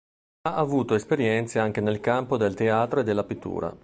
Ha avuto esperienze anche nel campo del teatro e della pittura.